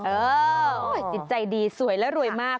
เออจิตใจดีสวยและรวยมาก